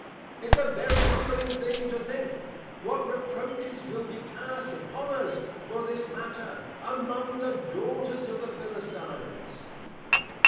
It's a very humbling thing to think, what reproaches will be cast upon us, for this matter, among The Daughters of the Philistines.